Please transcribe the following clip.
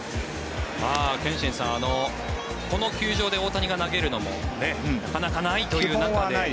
憲伸さん、この球場で大谷が投げるのもなかなかないという中で。